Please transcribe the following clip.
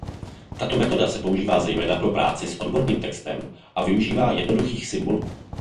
Tato metoda se používá zejména pro práci s odborným textem a využívá jednoduchých symbolů.